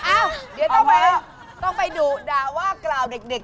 อ้าวเดี๋ยวต้องไปดุด่าว่ากล่าวเด็ก